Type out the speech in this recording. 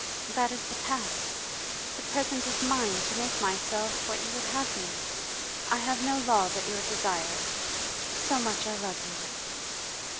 That is the past; the present is mine to make myself what you would have me. I have no law but your desire so much I love you.